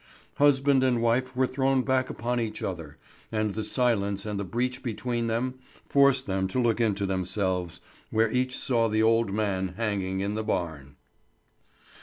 Husband and wife were thrown back upon each other, and the silence and the breach between them forced them to look into themselves, where each saw the old man hanging in the barn.